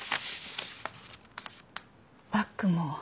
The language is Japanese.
バッグも。